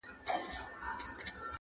• یار اوسېږمه په ښار نا پرسان کي..